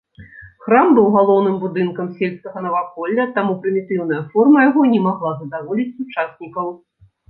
Храм быў галоўным будынкам сельскага наваколля, таму прымітыўная форма яго не магла задаволіць сучаснікаў.